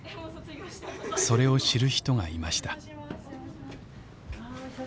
それを知る人がいました。